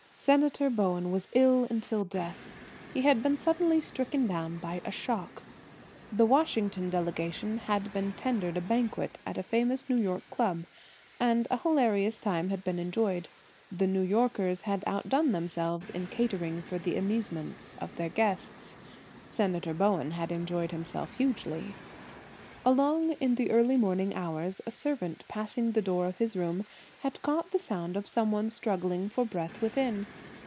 Senator Bowen was ill until death. He had been suddenly striken down by a shock. The Washington delegation had been tendered a banquet at a famous New York club, and a hilarious time had been enjoyed. The New Yorkers had outdone themselves in catering for the amusement of their guests. Senator Bowen had enjoyed himself hugely. Along in the early morning hours a servant passing the door of his room had caught the sound of some one struggling for breath within.